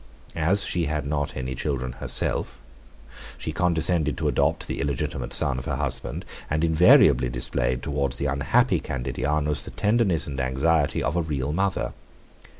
As she had not any children herself, she condescended to adopt the illegitimate son of her husband, and invariably displayed towards the unhappy Candidianus the tenderness and anxiety of a real mother.